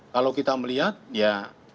kalau kita melihat ya